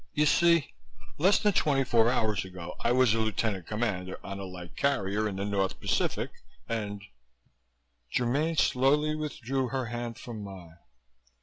You see, less than twenty four hours ago I was a lieutenant commander on a light carrier in the North Pacific and " Germaine slowly withdrew her hand from mine.